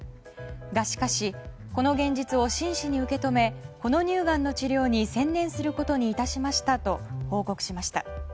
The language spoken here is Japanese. がしかしこの現実を真摯に受け止めこの乳がんの治療に専念することにいたしましたと報告しました。